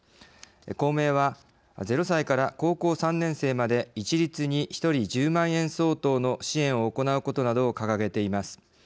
公明は、０歳から高校三年生まで一律に一人１０万円相当の支援を行うことなどを掲げています。